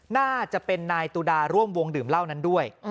น่าจะเป็นนายตุดาร่วมวงดื่มเหล้านั้นด้วย